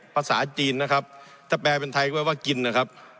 ภาษาจีนนะครับถ้าแปลเป็นไทยก็ว่ากินนะครับ